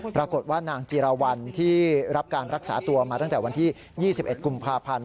ปรากฏว่านางจีรวรรณที่รับการรักษาตัวมาตั้งแต่วันที่๒๑กุมภาพันธ์